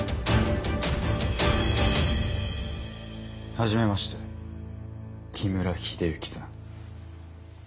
初めまして木村秀幸さん。